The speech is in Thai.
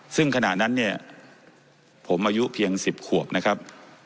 ซึ่งขณะนั้นเนี่ยผมอายุเพียง๑๐ขวบนะครับ